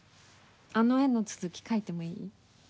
あの絵の続き描いてもいい？